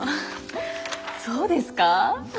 そうですかあ？